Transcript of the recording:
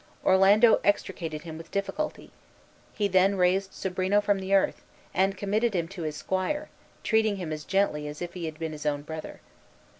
Orlando extricated him with difficulty; he then raised Sobrino from the earth, and committed him to his squire, treating him as gently as if he had been his own brother.